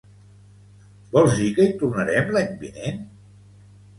vols dir que hi tornarem l'any vinent?